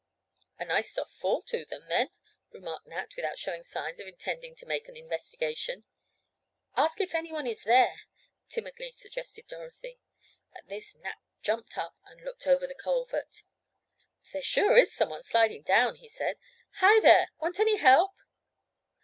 "A nice soft fall to them then," remarked Nat, without showing signs of intending to make an investigation. "Ask if anyone is there," timidly suggested Dorothy. At this Nat jumped up and looked over the culvert. "There sure is some one sliding down," he said. "Hi there! Want any help?"